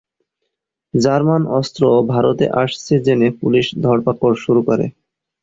German অস্ত্র ভারতে আসছে জেনে পুলিশ ধরপাকড় শুরু করে।